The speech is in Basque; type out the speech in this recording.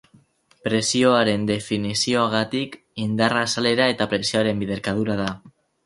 Presioaren definizioagatik, indarra azalera eta presioaren biderkadura da.